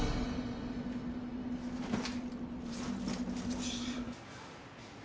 よし。